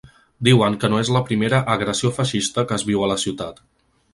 Diuen que no és la primera ‘agressió feixista’ que es viu a la ciutat.